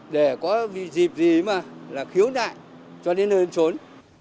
để có dịp gì mà là khiếu nại cho đến hơn trốn